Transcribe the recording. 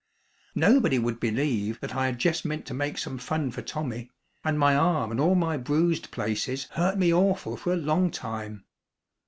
Nobody would believe that I had jes' meant to make some fun for Tommy, and my arm and all my bruised places hurt me awful for a long time.